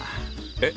えっ？